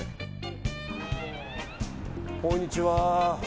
こんにちは。